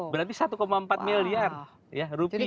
berarti satu empat miliar rupiah